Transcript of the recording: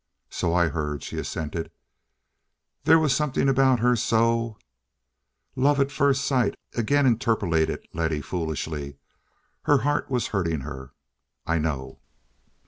"So I heard," she assented. "There was something about her so—" "Love at first sight," again interpolated Letty foolishly. Her heart was hurting her. "I know."